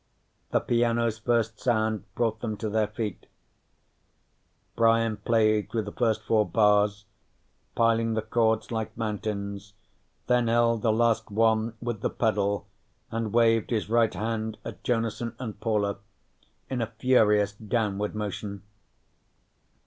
The piano's first sound brought them to their feet. Brian played through the first four bars, piling the chords like mountains, then held the last one with the pedal and waved his right hand at Jonason and Paula in a furious downward motion.